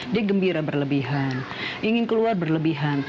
dia gembira berlebihan ingin keluar berlebihan